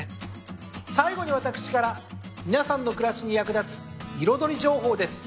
最後に私から皆さんの暮らしに役立つ彩り情報です。